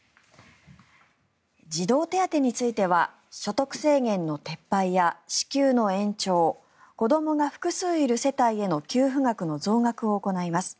児童手当については所得制限の撤廃や支給の延長子どもが複数いる世帯への給付額の増額を行います。